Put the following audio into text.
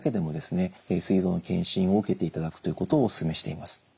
すい臓の検診を受けていただくということをおすすめしています。